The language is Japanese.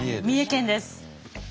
三重県です！